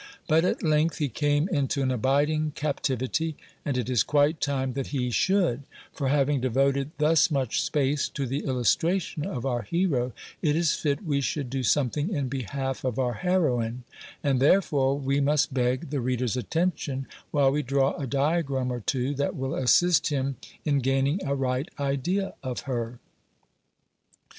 But at length he came into an abiding captivity, and it is quite time that he should; for, having devoted thus much space to the illustration of our hero, it is fit we should do something in behalf of our heroine; and, therefore, we must beg the reader's attention while we draw a diagram or two that will assist him in gaining a right idea of her.